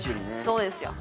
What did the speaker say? そうですよ